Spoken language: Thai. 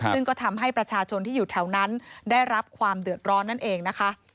ซึ่งก็ทำให้ประชาชนที่อยู่แถวนั้นได้รับความเดือดร้อนนั่นเองนะคะ